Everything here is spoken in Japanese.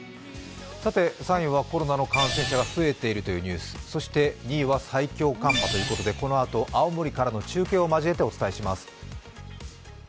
３位はコロナの感染者が増えているというニュース、２位は最強寒波ということで、このあと青森からの中継を交えてお伝えします。